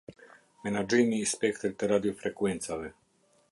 Menaxhimi i spektrit të radio frekuencave.